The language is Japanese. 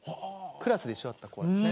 クラスで一緒だった子なんですね。